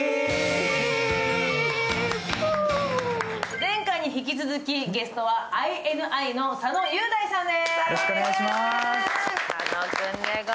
前回に引き続き、ゲストはＩＮＩの佐野雄大さんです。